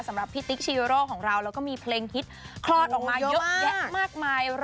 สำหรับพี่ติ๊กชีโร่ของเราแล้วก็มีเพลงฮิตคลอดออกมาเยอะแยะมากมาย